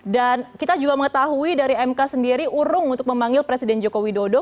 dan kita juga mengetahui dari mk sendiri urung untuk memanggil presiden joko widodo